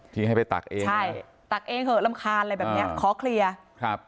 ที่ให้ไปตักเองใช่ตักเองเถอะรำคาญอะไรแบบเนี้ยขอเคลียร์ครับ